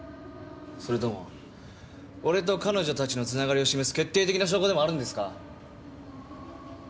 それとも俺と彼女たちのつながりを示す決定的な証拠でもあるんですか？